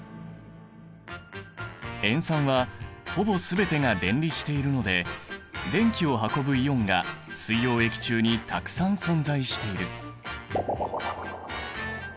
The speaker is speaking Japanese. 塩酸はほぼ全てが電離しているので電気を運ぶイオンが水溶液中にたくさん存在している。